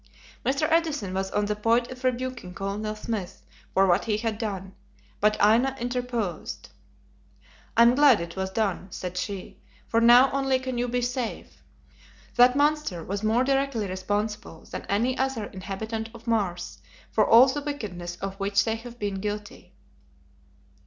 Mr. Edison was on the point of rebuking Colonel Smith for what he had done, but Aina interposed. "I am glad it was done," said she, "for now only can you be safe. That monster was more directly responsible than any other inhabitant of Mars for all the wickedness of which they have been guilty."